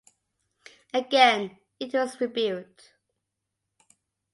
Again it was rebuilt.